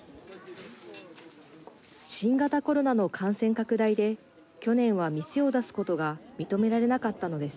新型コロナの感染拡大で去年は店を出すことが認められなかったのです。